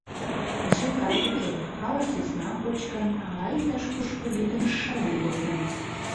Джекат уке: ала сӧсна кочкын, ала иктаж-кушко лӱдын шылын возын.